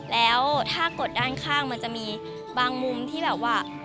แล้วถ้ากดด้านข้างมันจะมีบางมุมที่แบบว่า